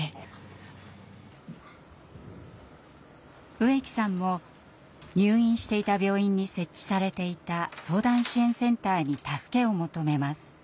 植木さんも入院していた病院に設置されていた相談支援センターに助けを求めます。